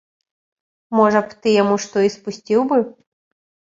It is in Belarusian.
Можа б, ты яму што і спусціў бы?